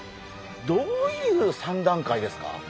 どういう３段階ですか？